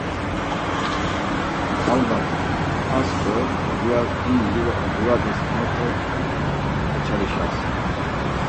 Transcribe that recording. Allak as do Ziyas him livadis moto açalişas!